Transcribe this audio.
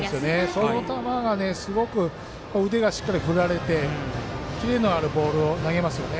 その球がすごく腕がしっかり振られてキレのあるボールを投げますよね。